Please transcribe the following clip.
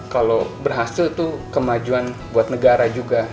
kalau berhasil itu kemajuan buat negara juga